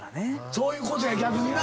そういうことや逆にな。